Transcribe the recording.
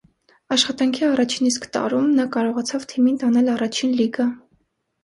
Աշխատանքի առաջին իսկ տարում նա կարողացավ թիմին տանել առաջին լիգա։